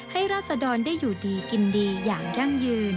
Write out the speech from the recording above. ราศดรได้อยู่ดีกินดีอย่างยั่งยืน